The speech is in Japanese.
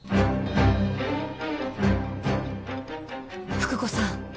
福子さん。